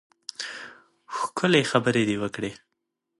ښکلې خبرې دې وکړې.